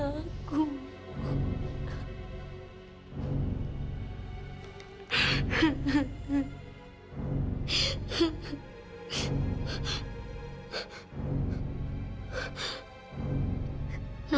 kenapa kamu tinggalin aku